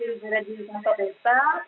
di raja jendang tau desa